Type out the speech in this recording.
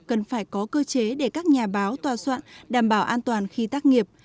cần phải có cơ chế để các nhà báo tòa soạn đảm bảo an toàn khi tác nghiệp